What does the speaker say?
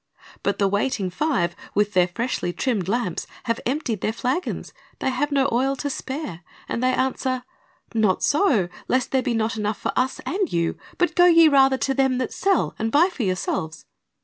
"^ But the waiting five, with their freshly trimmed lamps, have emptied their flagons. They have no oil to spare, and they answer, "Not so ; lest there be not enough for us and you : but go ye rather to them that sell, and buy for yourselves."